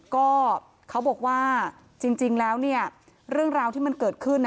ก็เขาบอกว่าจริงแล้วเนี่ยเรื่องราวที่มันเกิดขึ้น